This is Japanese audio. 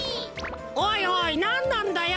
おいおいなんなんだよ！